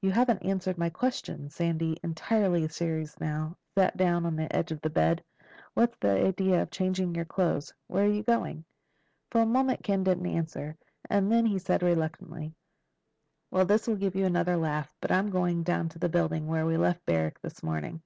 "You haven't answered my question." Sandy, entirely serious now, sat down on the edge of the bed. "What's the idea of changing your clothes? Where are you going?" For a moment Ken didn't answer. And then he said reluctantly, "Well, this will give you another laugh. But I'm going down to that building where we left Barrack this morning.